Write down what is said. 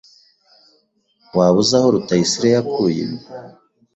Waba uzi aho Rutayisire yakuye ibi?